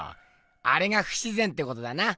あれがふしぜんってことだな。